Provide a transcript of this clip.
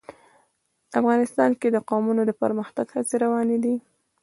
افغانستان کې د قومونه د پرمختګ هڅې روانې دي.